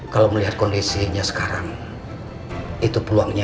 kalau melihat kondisinya sekarang itu peluangnya lima puluh lima puluh